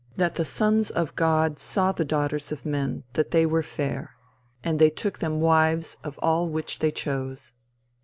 "That the sons of God saw the daughters of men that they were fair; and they took them wives of all which they chose.